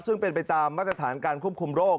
ซึ่งเป็นไปตามมาตรฐานการควบคุมโรค